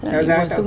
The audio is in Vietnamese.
nhà đấu giá